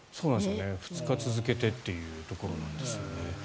２日続けてというところなんですね。